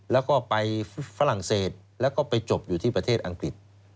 แล้วก็ไปฝรั่งเศสแล้วก็ไปจบอยู่ที่ประเทศอังกฤษ